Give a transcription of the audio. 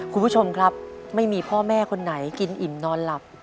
คุณผู้ชมครับไม่มีพ่อแม่คนไหนกินอิ่มนอนหลับ